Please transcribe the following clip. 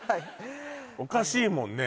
おかしいもんね